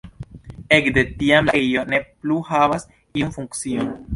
Ekde tiam la ejo ne plu havas iun funkcion.